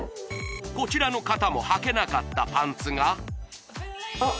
こちらの方もはけなかったパンツがあっ